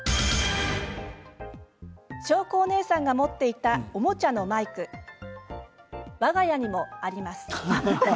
しょうこお姉さんが持っていたおもちゃのマイクわが家にもあります。